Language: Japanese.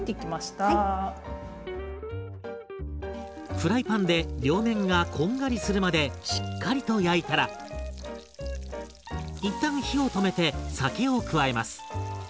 フライパンで両面がこんがりするまでしっかりと焼いたら一旦火を止めて酒を加えます。